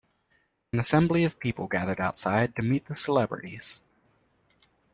An assembly of people gathered outside to meet the celebrities.